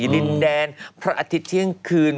ดินแดนพระอาทิตย์ที่เค้ลขึ้น